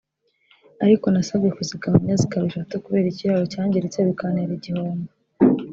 ariko nasabwe kuzigabanya zikaba eshatu kubera ikiraro cyangiritse bikantera igihombo